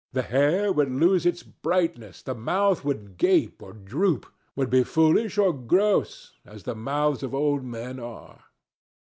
The hair would lose its brightness, the mouth would gape or droop, would be foolish or gross, as the mouths of old men are.